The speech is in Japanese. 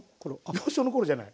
幼少の頃じゃない。